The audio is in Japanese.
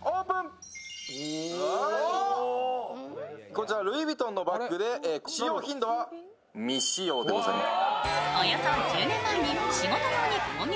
こちらルイ・ヴィトンのバッグで、使用頻度は未使用でございます。